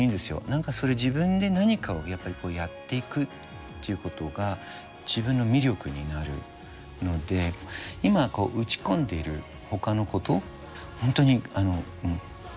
何かそれ自分で何かをやっぱりやっていくっていうことが自分の魅力になるので今打ち込んでいるほかのこと本当にガンッと